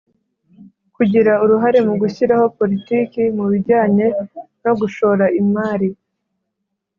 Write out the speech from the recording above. Kugira uruhare mu gushyiraho politiki mu bijyanye no gushora imari